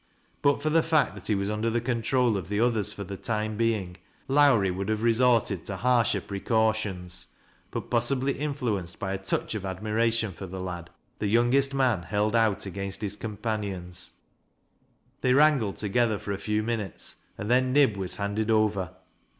But for the fact that he was under the control of the others for the time being, Lowrie would have resorted tc harsher precautions ; but possibly influenced by a touch 188 TEAT LASS Q LOWBlSTb. of admiration for the lad, the yoangest man held mU against his companions. They wrangled together for a few minutes, and then Nib was handed over.